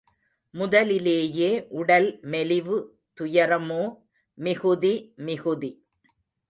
முதலிலேயே உடல் மெலிவு துயரமோ மிகுதி மிகுதி.